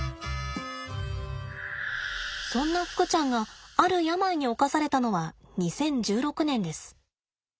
そんなふくちゃんがある病におかされたのは２０１６年です。